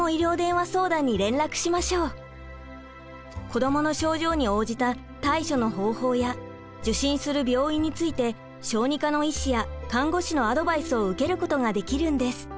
子どもの症状に応じた対処の方法や受診する病院について小児科の医師や看護師のアドバイスを受けることができるんです。